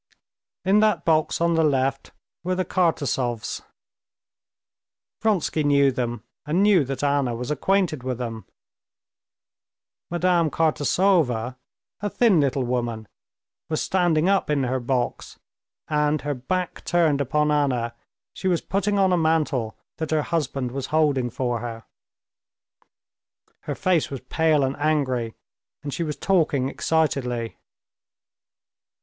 In that box on the left were the Kartasovs. Vronsky knew them, and knew that Anna was acquainted with them. Madame Kartasova, a thin little woman, was standing up in her box, and, her back turned upon Anna, she was putting on a mantle that her husband was holding for her. Her face was pale and angry, and she was talking excitedly.